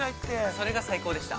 ◆それが最高でした。